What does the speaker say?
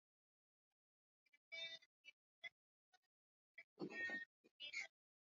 wengi asilimia sabini na moja wana mchanganyiko wa damu ya